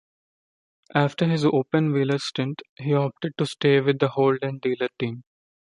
After his open-wheeler stint he opted to stay with the Holden Dealer Team.